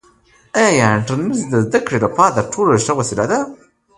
آیا انټرنیټ د زده کړې لپاره تر ټولو ښه وسیله ده؟